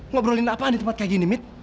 ngobrolin apaan di tempat kayak gini mit